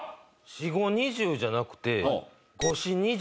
４×５＝２０じゃなくて。